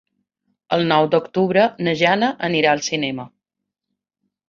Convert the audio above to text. El nou d'octubre na Jana anirà al cinema.